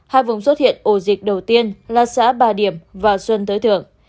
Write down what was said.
hai vùng xuất hiện ổ dịch đầu tiên là xã ba điểm và xuân thới thượng